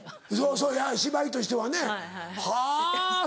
そうや芝居としてはねはぁ。